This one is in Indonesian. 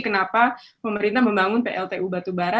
kenapa pemerintah membangun pltu batu bara